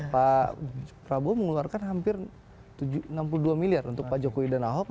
pak prabowo mengeluarkan hampir enam puluh dua miliar untuk pak jokowi dan ahok